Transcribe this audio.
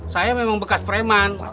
saya memang bekas preman